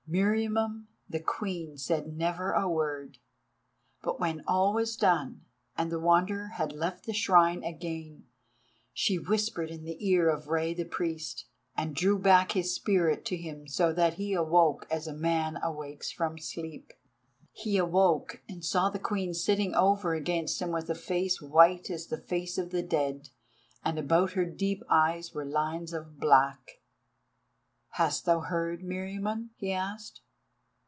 Meriamun the Queen said never a word, but when all was done and the Wanderer had left the shrine again, she whispered in the ear of Rei the Priest, and drew back his Spirit to him so that he awoke as a man awakes from sleep. He awoke and saw the Queen sitting over against him with a face white as the face of the dead, and about her deep eyes were lines of black. "Hast thou heard, Meriamun?" he asked.